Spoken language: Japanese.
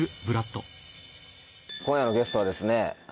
今夜のゲストはですね